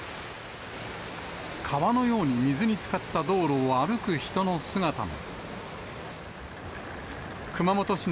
川のように水につかった道路を歩く人の姿も。